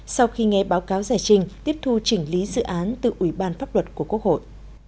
sau khi nghe báo cáo giải trình tiếp thu chỉnh lý dự án từ ủy ban pháp luật của quốc hội